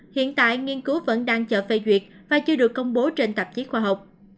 hiện tại nghiên cứu vẫn đang chờ phê duyệt và chưa được công bố trên tạp chí khoa học